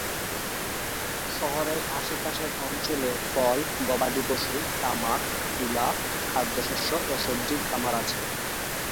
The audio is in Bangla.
শহরের আশেপাশের অঞ্চলে ফল, গবাদিপশু, তামাক, তুলা, খাদ্যশস্য ও সবজির খামার আছে।